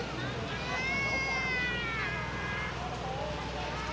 สวัสดีครับทุกคน